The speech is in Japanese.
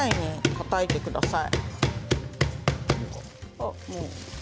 たたいてください。